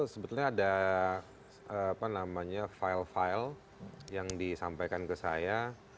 sebetulnya ada file file yang disampaikan ke saya